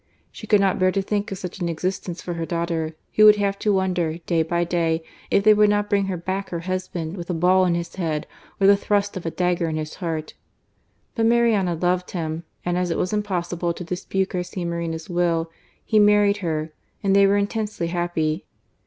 She could not bear to think of such an existence for her daughter, who would have to wonder, day by day, if they would not bring her back her husband with a THE CATASTROPHE AT IBARRA. 187 ball in his head, or the thrust of a dagger in his heart! But Mariana loved him; and as it was impossible to dispute Garcia Moreno's will, he married her, and they were intensely happy.